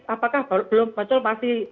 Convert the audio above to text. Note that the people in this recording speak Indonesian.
apakah belum muncul pasti